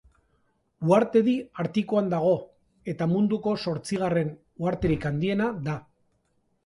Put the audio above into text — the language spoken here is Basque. Uhartedi Artikoan dago eta munduko zortzigarren uharterik handiena da.